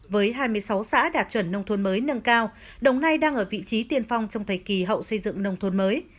với hai mươi sáu xã đạt chuẩn nông thôn mới nâng cao đồng nai đang ở vị trí tiên phong trong thời kỳ hậu xây dựng nông thôn mới